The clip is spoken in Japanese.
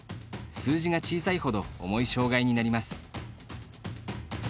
数字が小さいほど重い障がいになります。